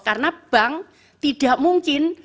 karena bank tidak mungkin